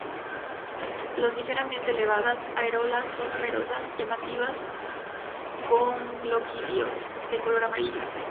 Los ligeramente elevadas areolas son numerosas y llamativas, con gloquidios de color amarillo.